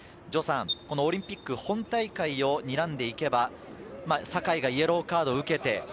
オリンピック本大会をにらんでいけば、酒井がイエローカードを受けて。